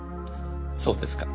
そうですか。